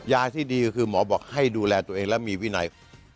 ที่ดีก็คือหมอบอกให้ดูแลตัวเองแล้วมีวินัย